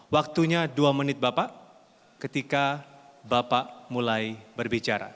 waktunya dua menit bapak ketika bapak mulai berbicara